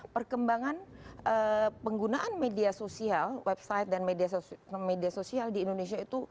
perkembangan penggunaan media sosial website dan media sosial di indonesia itu